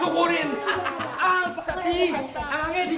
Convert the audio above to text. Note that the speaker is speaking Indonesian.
burung gua udah ga ada